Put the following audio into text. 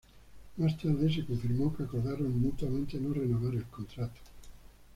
Más tarde se confirmó que acordaron mutuamente no renovar el contrato.